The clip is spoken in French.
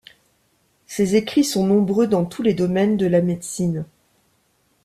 Ses écrits sont nombreux dans tous les domaines de la médecine.